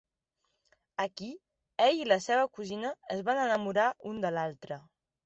Aquí, ell i la seva cosina es van enamorar un de l'altre.